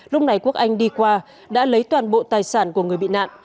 lúc này quốc anh đi qua đã lấy toàn bộ tài sản của người bị nạn